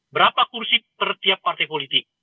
berapa kursi per tiap partai politik